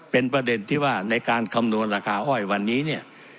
เป็นประเด็นที่ว่าในการคำนวณราคาอ้อยวันนี้เนี่ย